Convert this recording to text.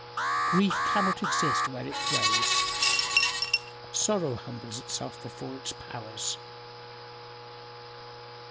Grief cannot exist where it grows; sorrow humbles itself before its powers."